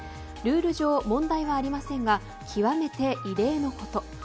ルール上問題はありませんが極めて異例のこと。